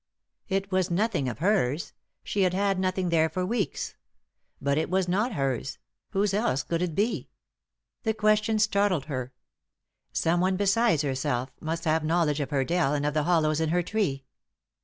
It was nothing of hers — she had had nothing there for weeks. But if it was not hers, whose else could it be ? The question startled her. Someone besides herself must have a knowledge of her dell and of the hollows in her tree.